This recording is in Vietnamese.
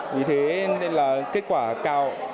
vì thế nên là kết quả cao